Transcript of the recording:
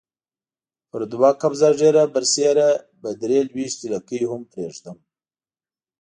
پر دوه قبضه ږیره برسېره به درې لويشتې لکۍ هم پرېږدم.